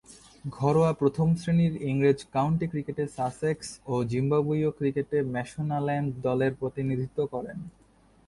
ঘরোয়া প্রথম-শ্রেণীর ইংরেজ কাউন্টি ক্রিকেটে সাসেক্স ও জিম্বাবুয়ীয় ক্রিকেটে ম্যাশোনাল্যান্ড দলের প্রতিনিধিত্ব করেন।